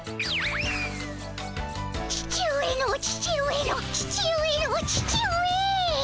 父上の父上の父上の父上。